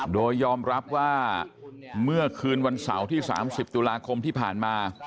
โดยยอมรับว่าเมื่อคืนวันเสาร์ที่๓๐ตุลาคมที่ผ่านมา